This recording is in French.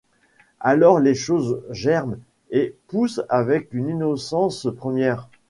Alors les choses germent et poussent avec une innocence première.